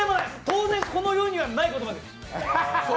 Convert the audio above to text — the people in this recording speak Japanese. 当然、この世にはない言葉です。